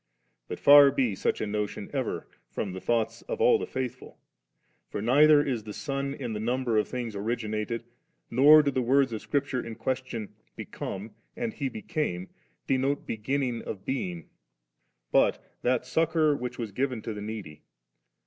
But far be such a notion ever from the thoughts of all the faithful I for neither is the Son in the number of things originated, nor do the words of Scripture in question, • Become,' and * He became,' denote beginning of being, but that succour which was given to the needy.